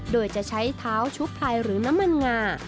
โดยจะใช้เท้าชุบไพรหรือน้ำมันงา